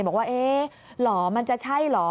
บอกว่าเอ๊ะเหรอมันจะใช่เหรอ